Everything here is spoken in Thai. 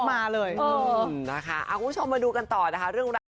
เอาคุณผู้ชมมาดูกันต่อนะคะ